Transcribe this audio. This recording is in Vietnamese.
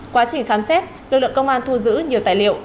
quá trình khám xét lực lượng công an thu giữ nhiều tài liệu